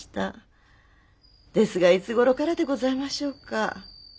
ですがいつごろからでございましょうか。